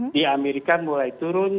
di amerika mulai turun